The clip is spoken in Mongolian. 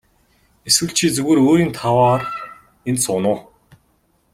Эсвэл чи зүгээр өөрийн тааваар энд сууна уу.